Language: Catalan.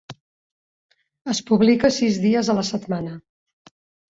Es publica sis dies a la setmana.